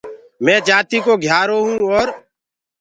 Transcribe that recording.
مينٚ جآتيٚڪو گهيٚآرو هونٚ اور